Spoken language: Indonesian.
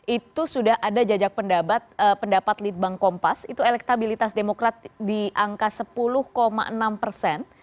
itu sudah ada jajak pendapat litbang kompas itu elektabilitas demokrat di angka sepuluh enam persen